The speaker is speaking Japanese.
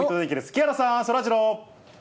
木原さん、そらジロー。